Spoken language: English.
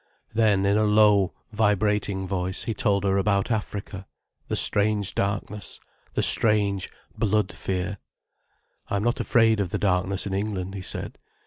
Then in a low, vibrating voice he told her about Africa, the strange darkness, the strange, blood fear. "I am not afraid of the darkness in England," he said.